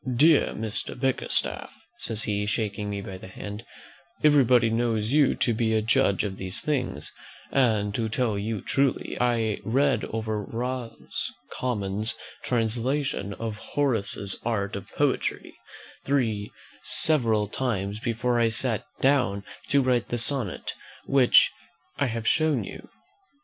"Dear Mr. Bickerstaff," says he, shaking me by the hand, "everybody knows you to be a judge of these things; and, to tell you truly, I read over Roscommon's translation of Horace's 'Art of Poetry' three several times before I sat down to write the sonnet which I have shown you.